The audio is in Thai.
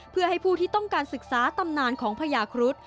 เพื่อให้ผู้ที่ต้องการศึกษาตำนานของพญาครุฑ